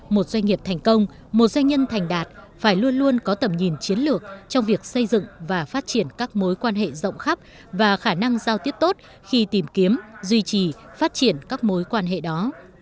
một doanh nghiệp thành công một doanh nhân thành đạt phải luôn luôn có tầm nhìn chiến lược trong việc xây dựng và phát triển các mối quan hệ rộng khắp và khả năng giao tiếp tốt khi tìm kiếm duy trì phát triển các mối quan hệ đó